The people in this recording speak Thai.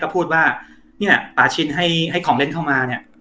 พูดว่านี่แหละปาชินให้ของเล่นเข้ามาเนี่ย